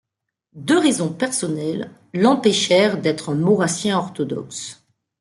Deux raisons personnelles l’empêchèrent d’être un maurrassien orthodoxe.